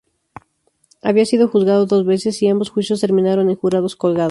Había sido juzgado dos veces y ambos juicios terminaron en jurados colgados.